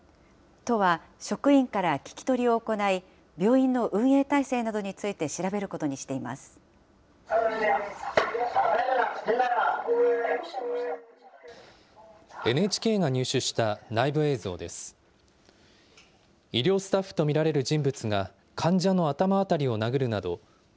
都は、職員から聞き取りを行い、病院の運営体制などについて調べることにしています。